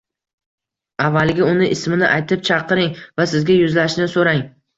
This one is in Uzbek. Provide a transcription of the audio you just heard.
avvaliga uni ismini aytib chaqiring va sizga yuzlanishini so‘rang.